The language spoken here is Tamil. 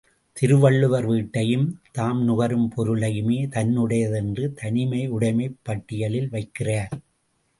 திருவள்ளுவர் வீட்டையும் தாம் நுகரும் பொருளையுமே தன்னுடையது என்று தனியுடைமைப் பட்டியலில் வைக்கிறார்.